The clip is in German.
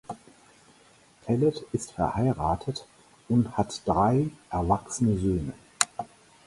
Pellet ist verheiratet und hat drei erwachsene Söhne.